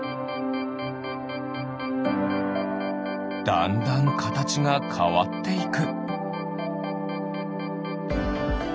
だんだんかたちがかわっていく。